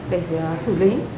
để xử lý